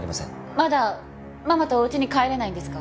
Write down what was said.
まだママとお家に帰れないんですか？